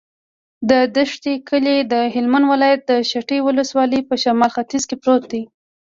د دشټي کلی د هلمند ولایت، دشټي ولسوالي په شمال ختیځ کې پروت دی.